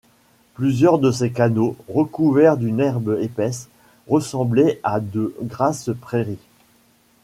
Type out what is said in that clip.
Plusieurs de ces canaux, recouverts d’une herbe épaisse, ressemblaient à de grasses prairies.